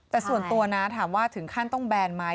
แต่ส่วนตัวนะถามว่าถึงขั้นต้องแบนไหม